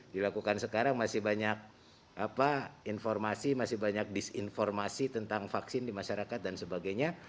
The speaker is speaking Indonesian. dilakukan sekarang masih banyak informasi masih banyak disinformasi tentang vaksin di masyarakat dan sebagainya